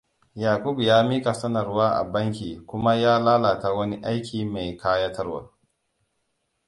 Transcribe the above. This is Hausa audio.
Yakubu ya mika sanarwa a banki kuma ya lalata wani aiki mai kayatarwa.